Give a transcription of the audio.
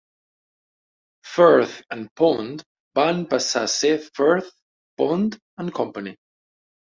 Firth and Pond van passar a ser Firth, Pond and Company.